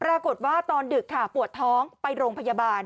ปรากฏว่าตอนดึกค่ะปวดท้องไปโรงพยาบาล